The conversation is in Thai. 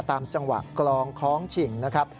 ตามจังหวะกลองคล้องฉิงนะครับ